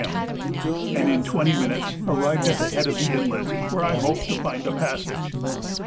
M., and in twenty minutes arrived at the head of the inlet where I hoped to find a passage.